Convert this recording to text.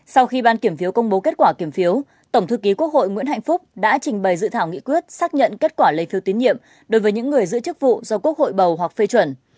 sau khi ban kiểm phiếu công bố kết quả kiểm phiếu tổng thư ký quốc hội nguyễn hạnh phúc đã trình bày dự thảo nghị quyết xác nhận kết quả lấy phiếu tín nhiệm đối với những người giữ chức vụ do quốc hội bầu hoặc phê chuẩn